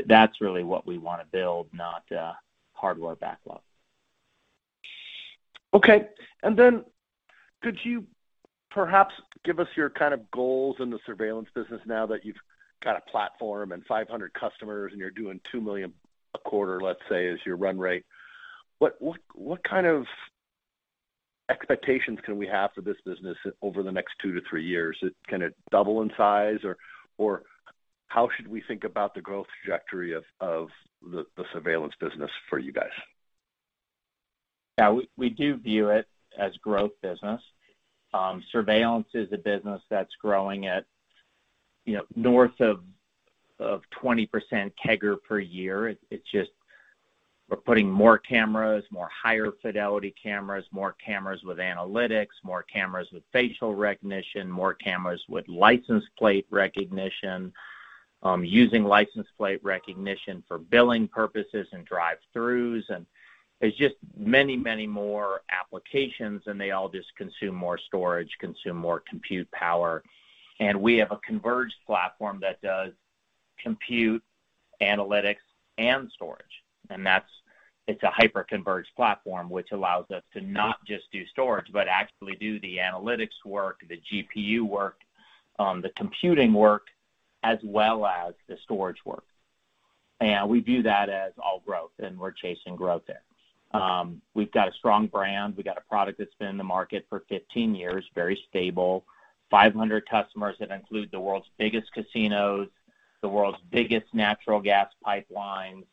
That's really what we want to build, not hardware backlog. Okay. Could you perhaps give us your goals in the surveillance business now that you've got a platform and 500 customers and you're doing $2 million a quarter, let's say, is your run rate. What kind of expectations can we have for this business over the next two to three years? Can it double in size, or how should we think about the growth trajectory of the surveillance business for you guys? Yeah. We do view it as growth business. Surveillance is a business that's growing at north of 20% CAGR per year. It's just we're putting more cameras, more higher fidelity cameras, more cameras with analytics, more cameras with facial recognition, more cameras with license plate recognition, using license plate recognition for billing purposes and drive-throughs. There's just many more applications, and they all just consume more storage, consume more compute power. We have a converged platform that does compute analytics and storage. It's a hyper-converged platform which allows us to not just do storage, but actually do the analytics work, the GPU work, the computing work, as well as the storage work. We view that as all growth, and we're chasing growth there. We've got a strong brand. We've got a product that's been in the market for 15 years, very stable. 500 customers that include the world's biggest casinos, the world's biggest natural gas pipelines.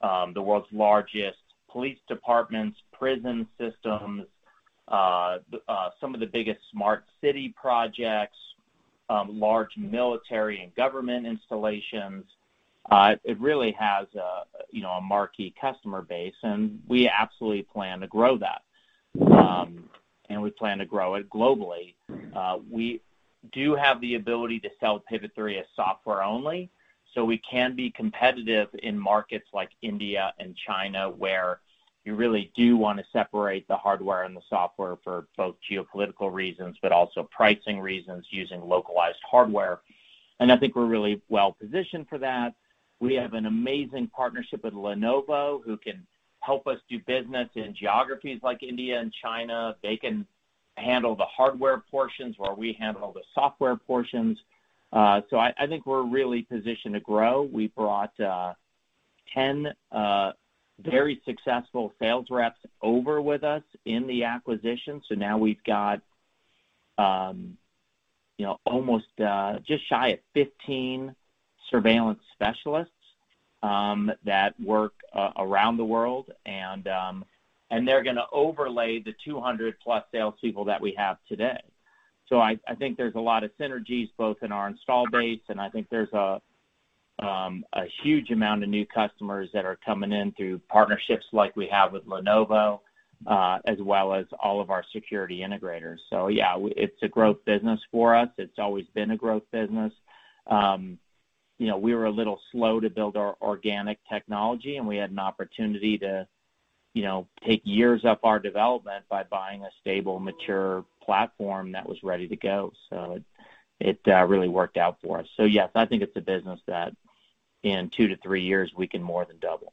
The world's largest police departments, prison systems, some of the biggest smart city projects, large military and government installations. It really has a marquee customer base, and we absolutely plan to grow that. We plan to grow it globally. We do have the ability to sell Pivot3 as software only, so we can be competitive in markets like India and China, where you really do want to separate the hardware and the software for both geopolitical reasons, but also pricing reasons using localized hardware. I think we're really well-positioned for that. We have an amazing partnership with Lenovo, who can help us do business in geographies like India and China. They can handle the hardware portions while we handle the software portions. I think we're really positioned to grow. We brought 10 very successful sales reps over with us in the acquisition. Now we've got just shy of 15 surveillance specialists that work around the world, and they're going to overlay the 200+ salespeople that we have today. I think there's a lot of synergies both in our install base, and I think there's a huge amount of new customers that are coming in through partnerships like we have with Lenovo, as well as all of our security integrators. Yeah, it's a growth business for us. It's always been a growth business. We were a little slow to build our organic technology, and we had an opportunity to take years off our development by buying a stable, mature platform that was ready to go. It really worked out for us. Yes, I think it's a business that in two to three years, we can more than double.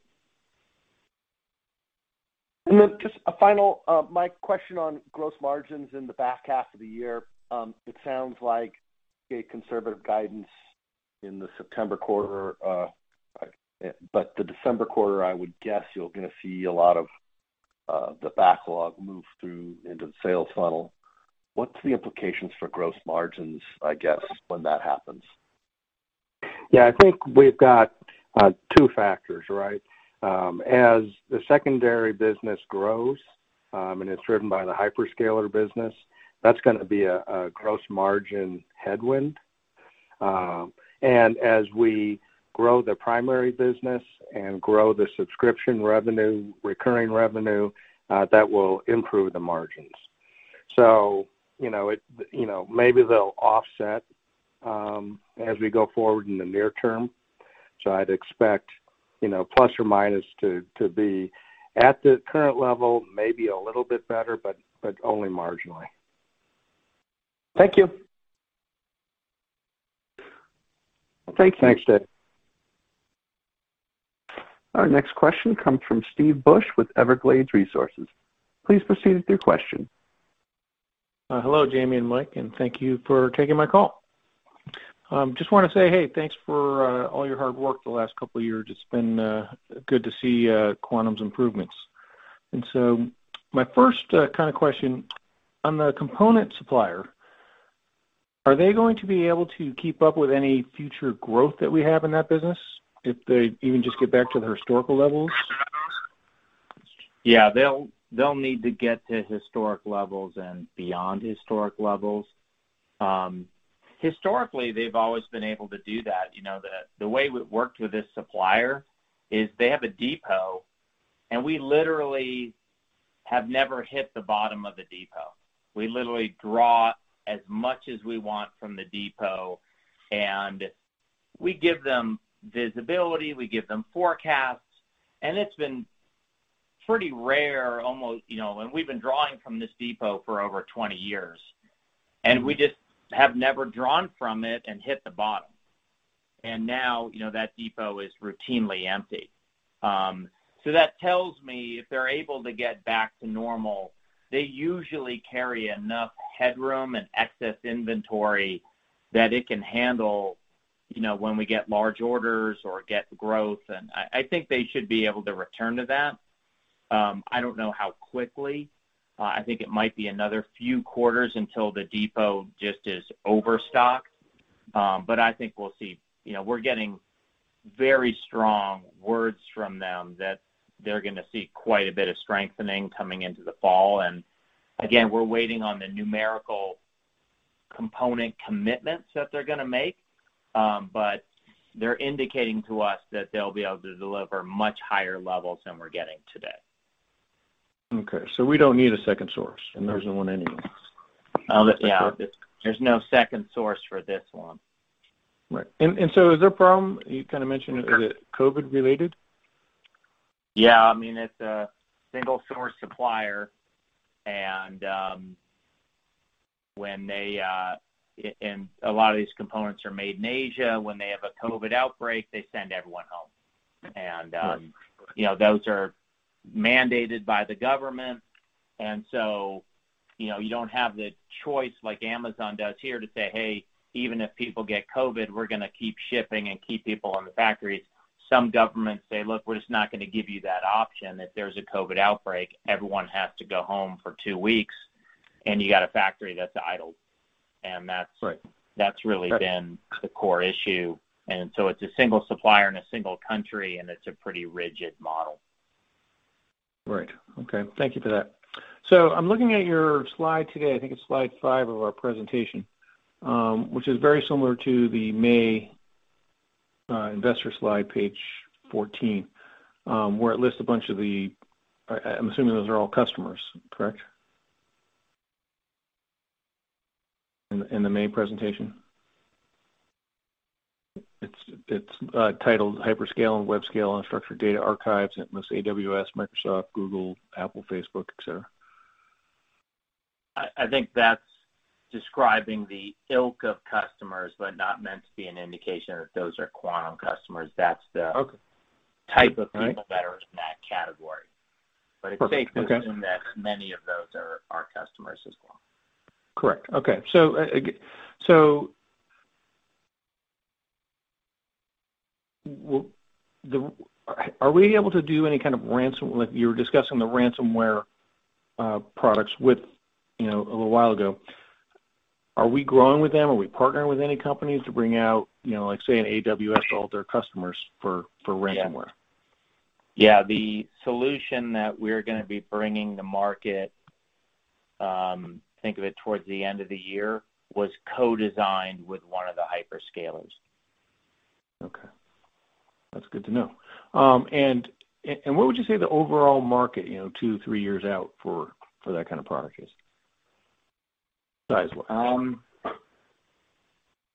Just a final, Mike, question on gross margins in the back half of the year. It sounds like a conservative guidance in the September quarter. The December quarter, I would guess you're going to see a lot of the backlog move through into the sales funnel. What's the implications for gross margins, I guess, when that happens? Yeah. I think we've got two factors, right? As the secondary business grows, and it's driven by the hyperscaler business, that's going to be a gross margin headwind. As we grow the primary business and grow the subscription revenue, recurring revenue, that will improve the margins. Maybe they'll offset as we go forward in the near term. I'd expect plus or minus to be at the current level, maybe a little bit better, but only marginally. Thank you. Well, thank you. Thanks, Dave. Our next question comes from Steve Busch with Everglades Resources. Please proceed with your question. Hello, Jamie and Mike, thank you for taking my call. Just want to say, hey, thanks for all your hard work the last couple of years. It's been good to see Quantum's improvements. My first kind of question, on the component supplier, are they going to be able to keep up with any future growth that we have in that business if they even just get back to the historical levels? Yeah. They'll need to get to historic levels and beyond historic levels. Historically, they've always been able to do that. The way we've worked with this supplier is they have a depot, and we literally have never hit the bottom of the depot. We literally draw as much as we want from the depot, and we give them visibility, we give them forecasts, and it's been pretty rare, and we've been drawing from this depot for over 20 years. We just have never drawn from it and hit the bottom. Now that depot is routinely empty. That tells me if they're able to get back to normal, they usually carry enough headroom and excess inventory that it can handle when we get large orders or get growth, and I think they should be able to return to that. I don't know how quickly. I think it might be another few quarters until the depot just is overstocked. I think we'll see. We're getting very strong words from them that they're going to see quite a bit of strengthening coming into the fall. Again, we're waiting on the numerical component commitments that they're going to make. They're indicating to us that they'll be able to deliver much higher levels than we're getting today. Okay, we don't need a second source. No. There isn't one anyway. Yeah. There's no second source for this one. Right. Is there a problem, you kind of mentioned, is it COVID related? Yeah. It's a single-source supplier. A lot of these components are made in Asia. When they have a COVID outbreak, they send everyone home. Right. Those are mandated by the government, you don't have the choice like Amazon does here to say, "Hey, even if people get COVID, we're going to keep shipping and keep people in the factories." Some governments say, "Look, we're just not going to give you that option. If there's a COVID outbreak, everyone has to go home for two weeks." You got a factory that's idled. Right. That's really been the core issue. It's a single supplier in a single country, and it's a pretty rigid model. Right. Okay. Thank you for that. I'm looking at your slide today, I think it's slide five of our presentation, which is very similar to the May investor slide, page 14, where it lists a bunch of the I'm assuming those are all customers, correct? In the May presentation, it's titled Hyperscale and Webscale Unstructured Data Archives. It lists AWS, Microsoft, Google, Apple, Facebook, etc. I think that's describing the ilk of customers, but not meant to be an indication that those are Quantum customers. Okay. That's the type of people that are in that category. Okay. It's safe to assume that many of those are our customers as well. Correct. Okay. Are we able to do any kind of ransom? You were discussing the ransomware products a little while ago. Are we growing with them? Are we partnering with any companies to bring out, say, an AWS to all their customers for ransomware? Yeah. The solution that we're going to be bringing to market, think of it towards the end of the year, was co-designed with one of the hyperscalers. Okay. That's good to know. And what would you say the overall market, two to three years out, for that kind of product is? Size?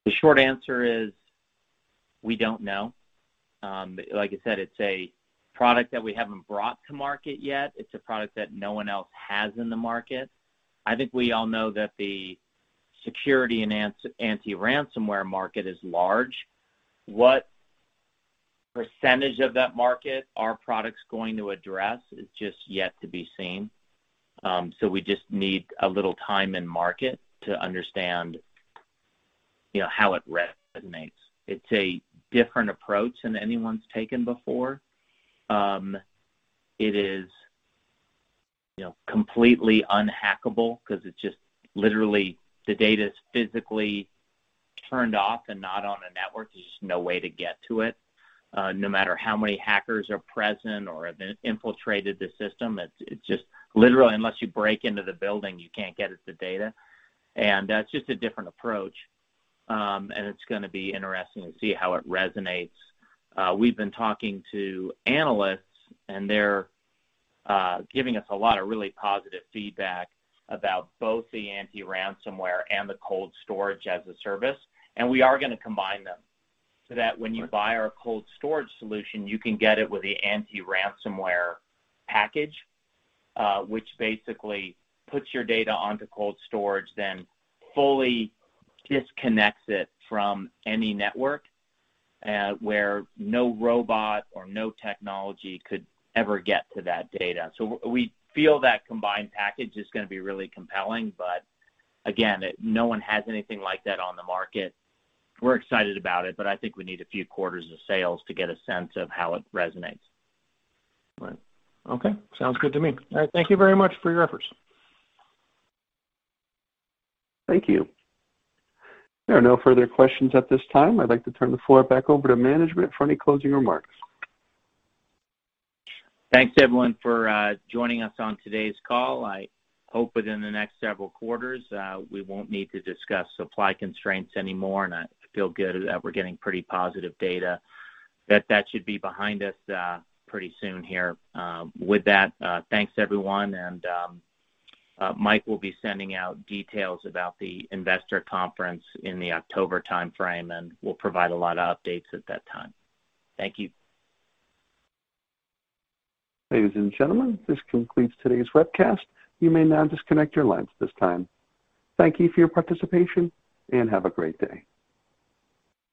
The short answer is we don't know. Like I said, it's a product that we haven't brought to market yet. It's a product that no one else has in the market. I think we all know that the security and anti-ransomware market is large. What percentage of that market our product's going to address is just yet to be seen. We just need a little time in market to understand how it resonates. It's a different approach than anyone's taken before. It is completely unhackable because it's just literally the data's physically turned off and not on a network. There's just no way to get to it. No matter how many hackers are present or have infiltrated the system, it's just literally unless you break into the building, you can't get at the data. That's just a different approach, and it's going to be interesting to see how it resonates. We've been talking to analysts, and they're giving us a lot of really positive feedback about both the anti-ransomware and the cold storage as a service. We are going to combine them, so that when you buy our cold storage solution, you can get it with the anti-ransomware package, which basically puts your data onto cold storage, then fully disconnects it from any network, where no robot or no technology could ever get to that data. We feel that combined package is going to be really compelling, but again, no one has anything like that on the market. We're excited about it, but I think we need a few quarters of sales to get a sense of how it resonates. Right. Okay. Sounds good to me. All right, thank you very much for your efforts. Thank you. There are no further questions at this time. I'd like to turn the floor back over to management for any closing remarks. Thanks, everyone, for joining us on today's call. I hope within the next several quarters, we won't need to discuss supply constraints anymore, and I feel good that we're getting pretty positive data that should be behind us pretty soon here. With that, thanks, everyone, and Mike will be sending out details about the investor conference in the October timeframe, and we'll provide a lot of updates at that time. Thank you. Ladies and gentlemen, this concludes today's webcast. You may now disconnect your lines at this time. Thank you for your participation, and have a great day.